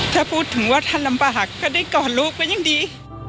ถ้าพูดถึงว่าถ้าลำบากก็ได้กอดลูกก็ยังดี